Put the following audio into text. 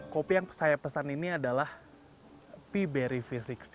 kopi yang saya pesan ini adalah piberry p enam puluh